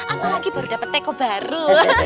apalagi baru dapat teko baru